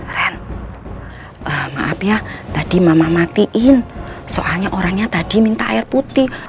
keren maaf ya tadi mama matiin soalnya orangnya tadi minta air putih